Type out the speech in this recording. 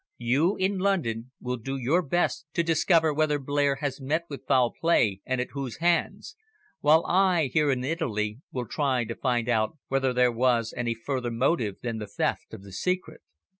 You, in London, will do your best to discover whether Blair has met with foul play and at whose hands, while I, here in Italy, will try to find out whether there was any further motive than the theft of the secret."